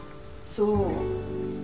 そう。